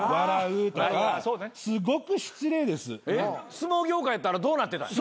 相撲業界やったらどうなってたんや。